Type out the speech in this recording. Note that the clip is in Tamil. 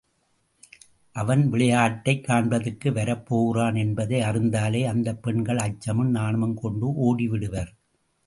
அவன் விளையாட்டைக் காண்பதற்கு வரப் போகிறான் என்பதை அறிந்தாலே அந்தப் பெண்கள் அச்சமும் நாணமும் கொண்டு ஓடிவிடுவர்.